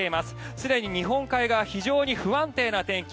すでに日本海側非常に不安定な天気